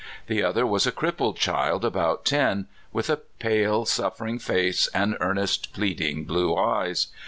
The other was a crippled child, about ten, with a pale, suffering face, and earnest, })leading blue eyes.